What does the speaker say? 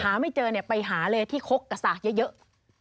หาไม่เจอไปหาเลยที่คกกับศากเยอะ